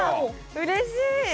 うれしい！